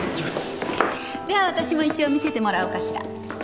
じゃあ私も一応見せてもらおうかしら。